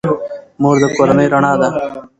مور د کورنۍ رڼا ده.